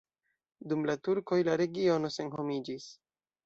Dum la turkoj la regiono senhomiĝis.